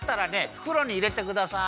ふくろにいれてください。